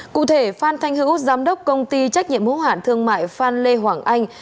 cụ thể phan thanh hữu giám đốc công ty trách nhiệm hỗ hản thương mại phan lê hoàng